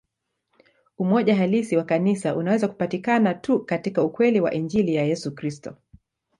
Umoja halisi wa Kanisa unaweza kupatikana tu katika ukweli wa Injili ya Yesu Kristo.